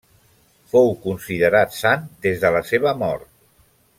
Fou considerat sant des de la seva mort.